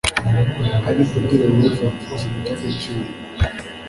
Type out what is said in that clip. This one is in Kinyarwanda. Ariko dore wowe fata ikintu cyagaciro